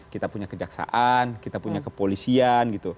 kita punya kejaksaan kita punya kepolisian gitu